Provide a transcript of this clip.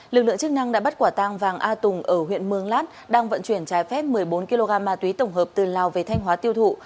lực lượng chức năng đã bắt quả tang vàng a tùng ở huyện mường lát đang vận chuyển trái phép một mươi bốn kg ma túy tổng hợp từ lào về thanh hóa tiêu thụ